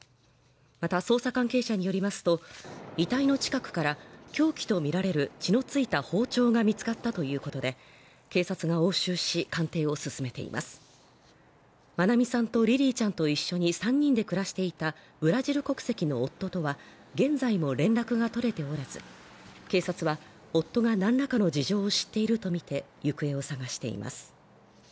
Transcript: また捜査関係者によりますと遺体の近くから凶器とみられる血の付いた包丁が見つかったということで警察が押収し鑑定を進めています愛美さんとリリィちゃんと一緒に３人で暮らしていたブラジル国籍の夫とは現在も連絡が取れておらず警察は夫がなんらかの事情を知っているとみて行方を捜しています